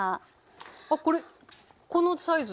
あっこれこのサイズ？